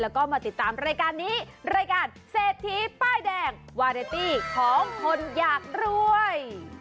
แล้วก็มาติดตามรายการนี้รายการเศรษฐีป้ายแดงวาเรตี้ของคนอยากรวย